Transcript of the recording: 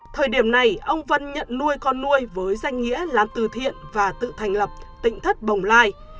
thời điểm này ông vân nhận nuôi con nuôi với danh nghĩa làm từ thiện và tự thành lập tỉnh thất bồng lai